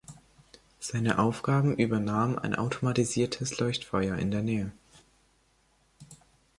Seine Aufgaben übernahm ein automatisiertes Leuchtfeuer in der Nähe.